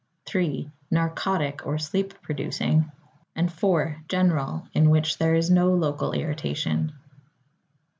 3. Narcotic or sleep producing. 4. General, in which there is no local irritation.